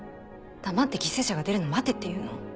黙って犠牲者が出るのを待てっていうの？